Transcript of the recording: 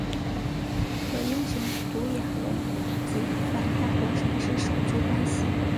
和英雄独眼龙及反派火神是手足关系。